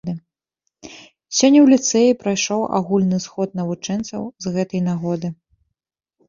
Сёння ў ліцэі прайшоў агульны сход навучэнцаў з гэтай нагоды.